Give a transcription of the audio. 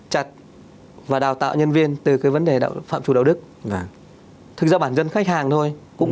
chặt và đào tạo nhân viên từ cái vấn đề đạo phạm chủ đạo đức và thực ra bản dân khách hàng thôi cũng